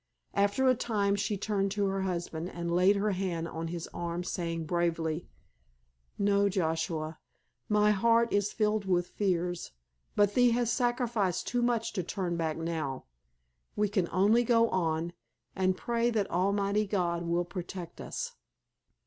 After a time she turned to her husband and laid her hand on his arm, saying bravely: "No, Joshua. My heart is filled with fears, but thee has sacrificed too much to turn back now. We can only go on, and pray that Almighty God will protect us."